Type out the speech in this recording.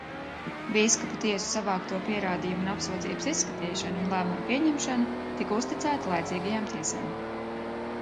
Bīskapu tiesu savākto pierādījumu un apsūdzības izskatīšana un lēmuma pieņemšana tika uzticēta laicīgajām tiesām.